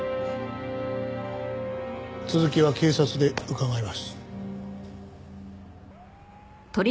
続きは警察で伺います。